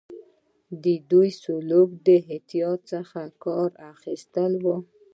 د دوی سلوک د احتیاط څخه کار اخیستل وو.